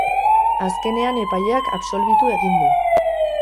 Azkenean epaileak absolbitu egin du.